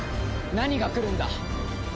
何が来るんだ？